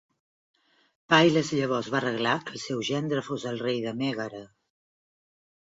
Pylas llavors va arreglar que el seu gendre fos el rei de Mègara.